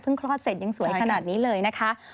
คลอดเสร็จยังสวยขนาดนี้เลยนะคะ